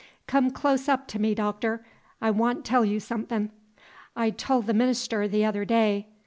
Come close up t' me, Doctor! I wan' t' tell you somethin' I tol' th' minister t' other day.